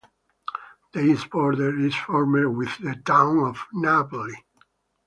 The east border is formed with the town of Napoli.